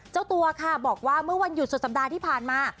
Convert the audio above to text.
เจ้าตัวค่ะบอกว่าเมื่อวันหยุดสุดสัปดาห์ที่ผ่านมา